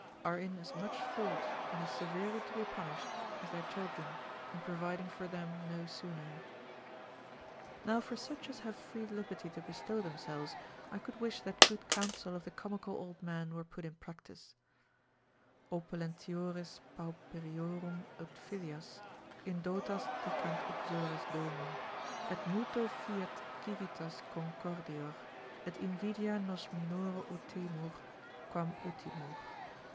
are in as much fault, and as severely to be punished as their children, in providing for them no sooner. Now for such as have free liberty to bestow themselves, I could wish that good counsel of the comical old man were put in practice, Opulentiores pauperiorum ut filias Indotas dicant uxores domum: Et multo fiet civitas concordior, Et invidia nos minore utemur, quam utimur.